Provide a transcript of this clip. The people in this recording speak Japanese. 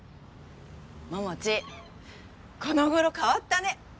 桃地この頃変わったね。